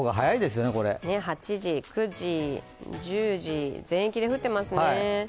８時、９時、１０時全域で降っていますね。